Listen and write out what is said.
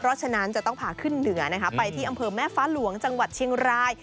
เพราะฉะนั้นจะต้องพาขึ้นเหนือนะคะไปที่อำเภอแม่ฟ้าหลวงจังหวัดเชียงราย